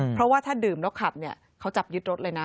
เพราะว่าถ้าดื่มแล้วขับเนี่ยเขาจับยึดรถเลยนะ